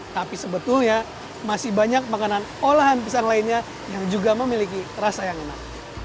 tapi sebetulnya masih banyak makanan olahan pisang lainnya yang juga memiliki rasa yang enak